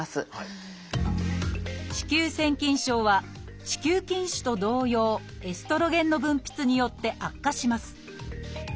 子宮腺筋症は子宮筋腫と同様エストロゲンの分泌によって悪化します